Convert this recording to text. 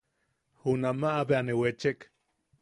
Junamaʼa bea ne wechek.